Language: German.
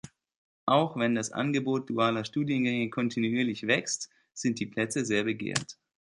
Auch wenn das Angebot dualer Studiengänge kontinuierlich wächst, sind die Plätze sehr begehrt.